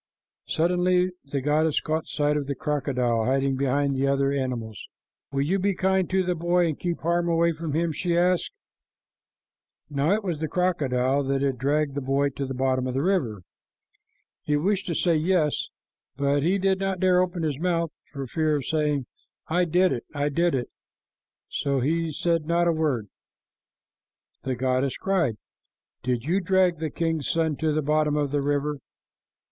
Suddenly the goddess caught sight of the crocodile hiding behind the other animals. "Will you be kind to the boy and keep harm away from him?" she asked. [Illustration: "THE MOUTH THAT WILL NOT OPEN MUST BE MADE TO OPEN"] Now it was the crocodile that had dragged the boy to the bottom of the river. He wished to say, "Yes," but he did not dare to open his mouth for fear of saying, "I did it, I did it," so he said not a word. The goddess cried, "Did you drag the king's son to the bottom of the river?"